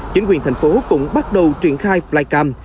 chính quyền thành phố cũng bắt đầu triển khai flycam